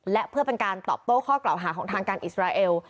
และเพื่อเป็นการตอบโต้ข้อกล่าวหาของทางการอิสราเอล